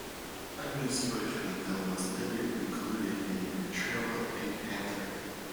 Unused footage from the film was later included in "Trail of the Pink Panther".